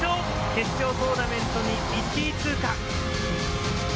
決勝トーナメントに１位通過。